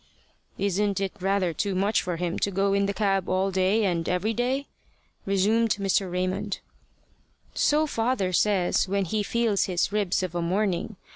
"Isn't it rather too much for him to go in the cab all day and every day?" resumed Mr. Raymond. "So father says, when he feels his ribs of a morning.